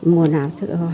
mùa nào thử không